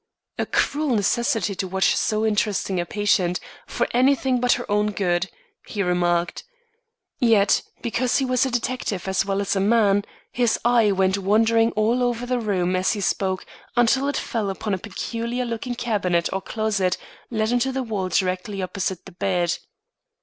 "A cruel necessity to watch so interesting a patient, for anything but her own good," he remarked. Yet, because he was a detective as well as a man, his eye went wandering all over the room as he spoke until it fell upon a peculiar looking cabinet or closet, let into the wall directly opposite the bed.